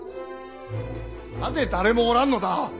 なぜ誰もおらんのだ。